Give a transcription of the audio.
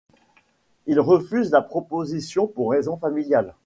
Il refuse la proposition pour raisons familiales.